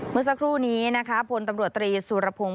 เมื่อสักครู่นี้พตรตรีสุรพงษ์